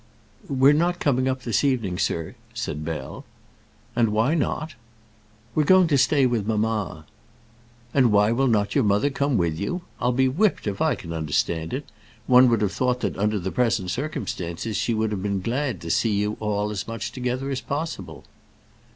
"We're not coming up this evening, sir," said Bell. "And why not?" "We're going to stay with mamma." "And why will not your mother come with you? I'll be whipped if I can understand it. One would have thought that under the present circumstances she would have been glad to see you all as much together as possible."